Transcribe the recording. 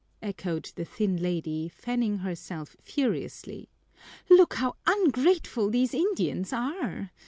echoed the thin lady, fanning herself furiously. "Look how ungrateful these Indians are!